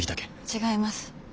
違います。